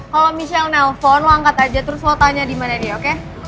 kalo michelle nelfon lo angkat aja terus lo tanya dimana dia oke